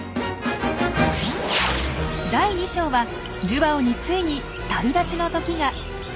第２章はジュバオについに旅立ちの時が。